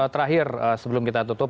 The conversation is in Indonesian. terakhir sebelum kita tutup